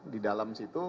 di dalam situ